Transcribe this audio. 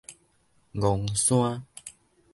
楞山